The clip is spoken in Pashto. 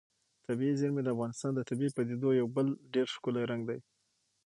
طبیعي زیرمې د افغانستان د طبیعي پدیدو یو بل ډېر ښکلی رنګ دی.